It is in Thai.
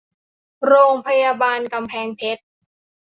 โรงพยาบาลกำแพงเพชร